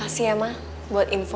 makasih ya ma buat infonya